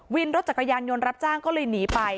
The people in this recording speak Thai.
วินรถจักรยานยนต์รับจ้างก็เลยหนีไป